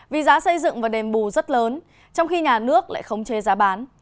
vì giá xây dựng và đềm bù rất lớn trong khi nhà nước lại không chê giá bán